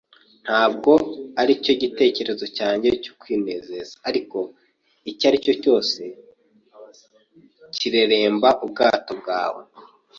Ntabwo aricyo gitekerezo cyanjye cyo kwinezeza, ariko icyaricyo cyose kireremba ubwato bwawe.